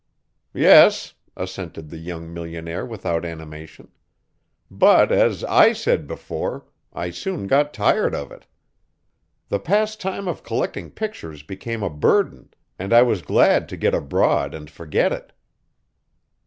"Yes," assented the young millionaire without animation, "but, as I said before, I soon got tired of it. The pastime of collecting pictures became a burden, and I was glad to get abroad and forget it."